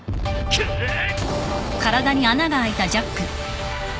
くっ！